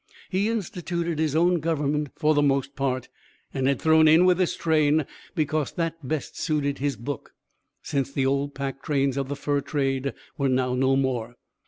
He instituted his own government for the most part, and had thrown in with this train because that best suited his book, since the old pack trains of the fur trade were now no more.